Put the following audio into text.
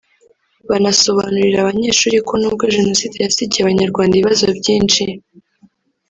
banasobanurira abanyeshuri ko nubwo Jenoside yasigiye Abanyarwanda ibibazo byinshi